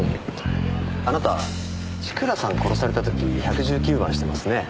あなた千倉さん殺された時１１９番してますね？